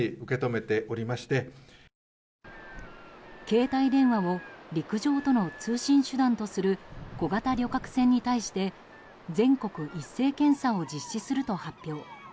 携帯電話を陸上との通信手段とする小型旅客船について全国一斉検査を実施すると発表。